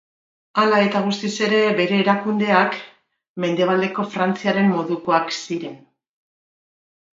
Hala eta guztiz ere, bere erakundeak Mendebaldeko Frantziaren modukoak ziren.